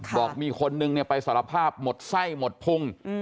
บอกมีคนนึงไปสารภาพหมดไส้หมดพุง